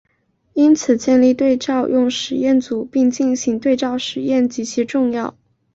因此建立对照用实验组并进行对照检验极其重要。